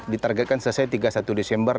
ditargetkan selesai tiga puluh satu desember